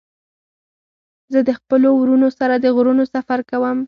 زه د خپلو ورونو سره د غرونو سفر کوم.